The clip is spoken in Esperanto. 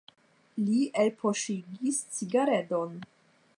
Li elpoŝigis cigaredon.